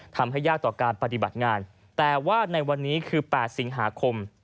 ยากต่อการปฏิบัติงานแต่ว่าในวันนี้คือ๘สิงหาคม